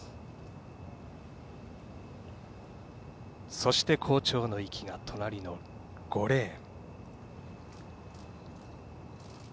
そして好調の壹岐が隣の５レーン。